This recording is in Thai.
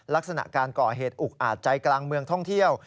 ลักษณะการก่อเหตุอุกอาจใจกลางเมืองท่องเที่ยว